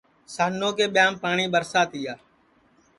سانو کے ٻیاںٚم پاٹؔی ٻرسا تیا